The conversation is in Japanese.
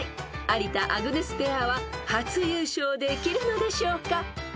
［有田アグネスペアは初優勝できるのでしょうか？］